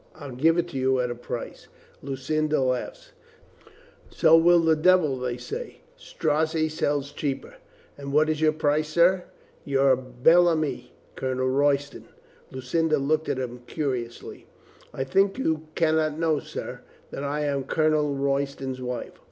I'll give it you at a price." Lucinda laughed. "So will the devil, they say." "Strozzi sells cheaper." "And what is your price, sir?" "Your bel ami, Colonel Royston." Lucinda looked at him curiously. "I think you can not know, sir, that I am Colonel Royston's wife."